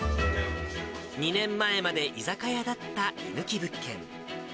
２年前まで居酒屋だった居抜き物件。